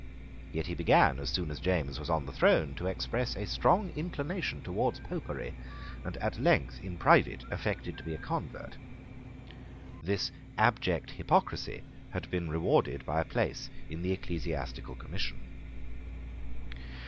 Yet he began, as soon as James was on the throne, to express a strong inclination towards Popery, and at length in private affected to be a convert. This abject hypocrisy had been rewarded by a place in the Ecclesiastical Commission.